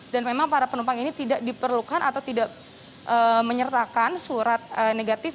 dan memang para penumpang ini tidak diperlukan atau tidak menyertakan surat negatif